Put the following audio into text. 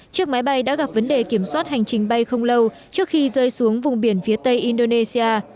chiếc máy bay đã gặp vấn đề kiểm soát hành trình bay không lâu trước khi rơi xuống vùng biển phía tây indonesia